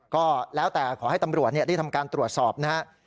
ก็แล้วแต่ขอให้ตำรวจได้ทำการตรวจสอบนะครับ